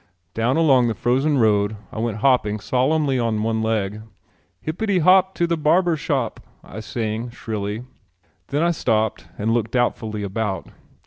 Down along the frozen road I went hopping solemnly on one leg. "Hippity Hop To The Barber Shop," I sang shrilly. Then I stopped and looked doubtfully about.